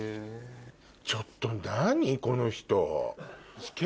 ちょっと何この人。